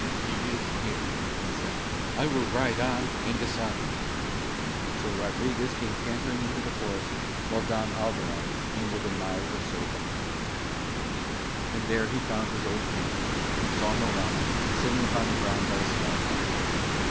"He is near," he said; "I will ride on and disarm him." So Rodriguez came cantering into the forest while Don Alderon ambled a mile or so behind him. And there he found his old camp and saw Morano, sitting upon the ground by a small fire.